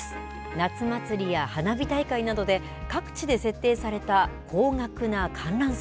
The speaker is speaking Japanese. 夏祭りや花火大会などで、各地で設定された高額な観覧席。